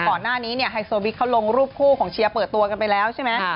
ก่อนหน้านี้เนี่ยไฮโซบิ๊กเขาลงรูปคู่ของเชียร์เปิดตัวกันไปแล้วใช่ไหม